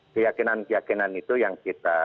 keyakinan keyakinan itu yang kita